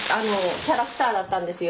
キャラクターだったんですよ